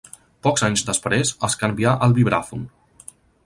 Pocs anys després, es canvià al vibràfon.